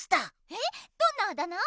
えっどんなあだ名？